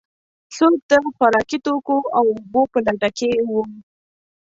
څوک د خوراکي توکو او اوبو په لټه کې و.